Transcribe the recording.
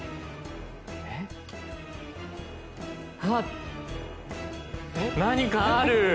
あっ何かある。